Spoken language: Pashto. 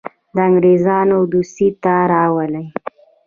د انګرېزانو دوستي ته راولي.